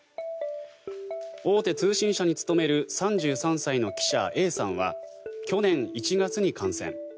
大手通信社に勤める３３歳の記者Ａさんは去年１月に感染。